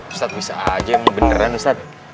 ustadz bisa aja beneran ustadz